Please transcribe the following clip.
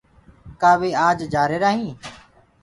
ڪآ وي آج جآرهيرآ هينٚ۔